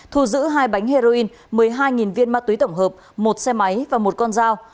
thu giữ hai bánh heroin một mươi hai viên ma túy tổng hợp một xe máy và một con dao